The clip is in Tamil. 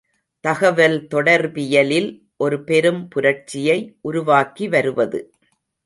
தகவல் தொடர்பியலில் ஒரு பெரும் புரட்சியை உருவாக்கி வருவது.